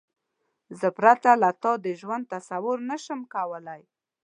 زه پرته له تا د ژوند تصور نشم کولای.